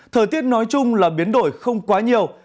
thời tiết nói chung là biến đổi không quá nhiều